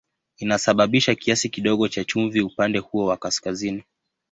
Inasababisha kiasi kidogo cha chumvi upande huo wa kaskazini.